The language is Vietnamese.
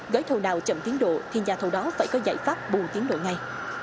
gói thầu nào chậm tiến độ thì nhà thầu đó phải có giải pháp bù tiến độ ngay